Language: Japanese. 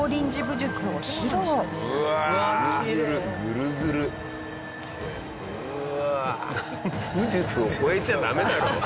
武術を超えちゃダメだろ。